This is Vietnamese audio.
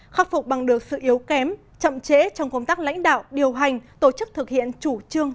khắc phục bằng được sự yếu kém chậm chế trong công tác lãnh đạo điều hành tổ chức thực hiện chủ trương